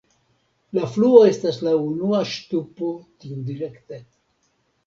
La fluo estas la unua ŝtupo tiudirekte.